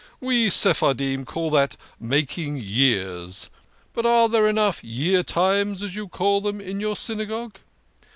We Sephardim call that ' making years '! But are there enough Year Times, as you call them, in your Synagogue